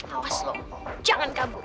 awas lo jangan kabur